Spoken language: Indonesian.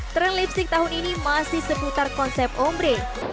trend lipstick tahun ini masih seputar konsep ombre